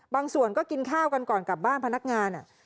บางส่วนก็กินข้าวกันก่อนกลับบ้านพนักงาน